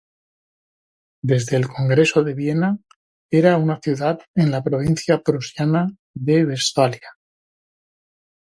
Desde el Congreso de Viena era una ciudad en la provincia prusiana de Westfalia.